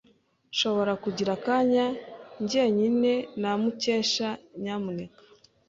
Nshobora kugira akanya njyenyine na Mukesha, nyamuneka?